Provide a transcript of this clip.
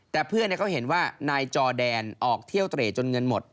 แต่เพื่อนเขาเห็นว่านายจอแดนออกเที่ยวเตร่จนเงินหมด